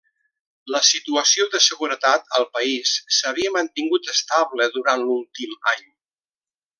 La situació de seguretat al país s'havia mantingut estable durant l'últim any.